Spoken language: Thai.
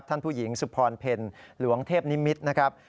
ท่านผู้หญิงสุพรเพลหลวงเทพนิมิตรนะครับ